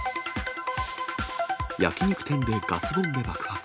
焼き肉店でガスボンベ爆発。